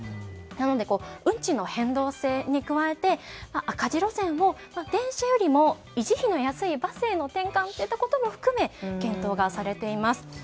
なので運賃の変動制に加えて赤字路線を電車よりも維持費の安いバスへの転換ということも含め検討がされています。